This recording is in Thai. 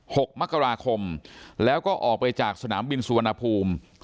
หกมกราคมแล้วก็ออกไปจากสนามบินสุวรรณภูมิ